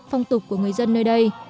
phong tục của người dân nơi đây